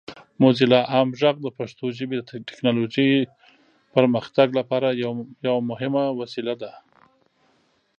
موزیلا عام غږ د پښتو ژبې د ټیکنالوجۍ پرمختګ لپاره یو مهم وسیله ده.